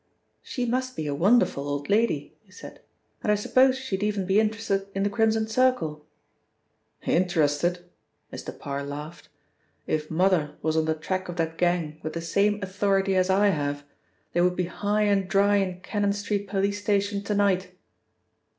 "She must be a wonderful old lady," he said, "and I suppose she'd even be interested in the Crimson Circle?" "Interested!" Mr. Parr laughed. "If mother was on the track of that gang with the same authority as I have, they would be high and dry in Cannon Street police station to night.